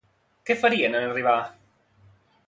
Què farien en arribar?